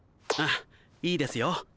あいいですよ。